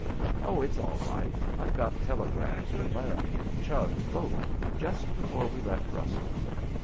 "Oh, it's all right! I got telegrams from Laramie and the Chug, both, just before we left Russell.